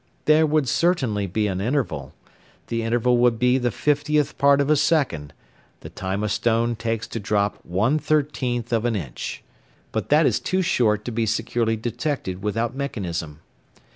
There would certainly be an interval: the interval would be the fiftieth part of a second (the time a stone takes to drop 1/13th of an inch), but that is too short to be securely detected without mechanism.